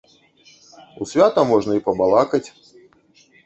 У свята можна і пабалакаць.